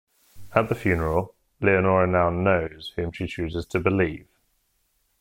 At the funeral, Leonora now knows whom she chooses to believe.